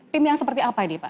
tim yang seperti apa ini pak